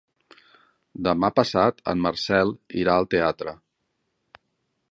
Demà passat en Marcel irà al teatre.